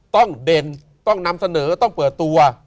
เด่นต้องนำเสนอต้องเปิดตัว